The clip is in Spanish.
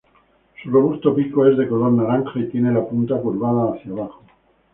Su robusto pico es de color naranja y tiene la punta curvada hacia abajo.